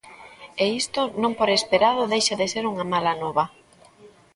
E isto non por esperado deixa de ser unha mala nova.